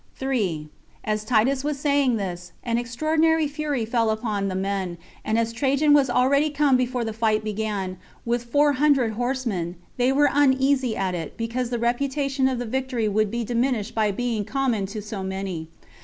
3. As Titus was saying this, an extraordinary fury fell upon the men; and as Trajan was already come before the fight began, with four hundred horsemen, they were uneasy at it, because the reputation of the victory would be diminished by being common to so many.